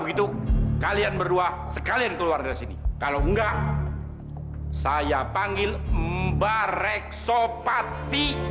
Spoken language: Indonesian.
gitu kalian berdua sekalian keluar dari sini kalau enggak saya panggil membarek sopati